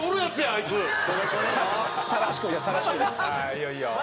ああいいよいいよ。